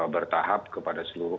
bertahap kepada seluruh